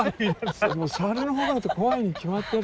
猿の方がだって怖いに決まってる。